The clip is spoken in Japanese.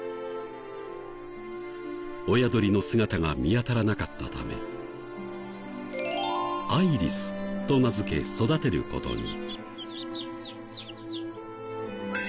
親鳥の姿が見当たらなかったためアイリスと名付け育てる事に。